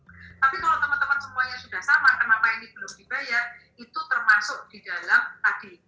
tapi kalau teman teman semuanya sudah sama kenapa ini belum dibayar itu termasuk di dalam tadi